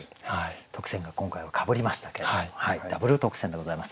特選が今回はかぶりましたけれどもダブル特選でございます。